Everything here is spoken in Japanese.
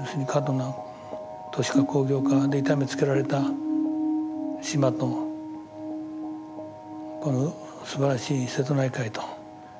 要するに過度な都市化工業化で痛めつけられた島とこのすばらしい瀬戸内海と。